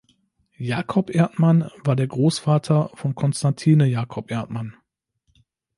Jacob Erdman war der Großvater von Constantine Jacob Erdman.